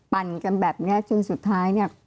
ปั่นกันแบบนี้จนสุดท้าย